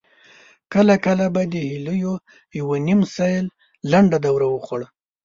کله کله به د هيليو يوه نيم سېل لنډه دوره وخوړه.